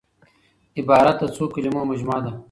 عبارت د څو کليمو مجموعه ده.